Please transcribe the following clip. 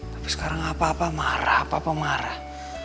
tapi sekarang apa apa marah apa apa marah